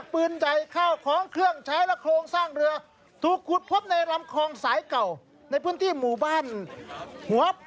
เป็นโครงเหลือเลยครับแล้วก็เจอปืนใหญ่ด้วย